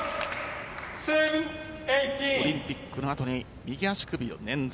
オリンピックの後に右足首を捻挫。